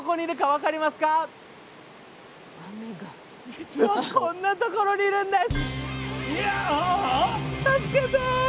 実はこんな所にいるんです！